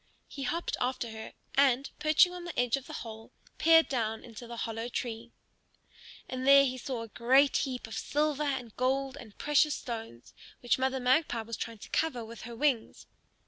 He hopped after her and, perching on the edge of the hole, peered down into the hollow tree. And there he saw a great heap of silver and gold and precious stones, which Mother Magpie was trying to cover with her wings.